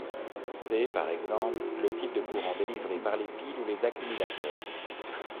C'est, par exemple, le type de courant délivré par les piles ou les accumulateurs.